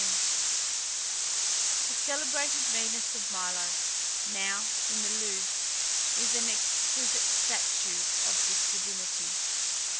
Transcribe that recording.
The celebrated Venus of Milo, now in the Louvre, is an exquisite statue of this divinity.